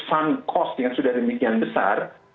fund cost yang sudah demikian besar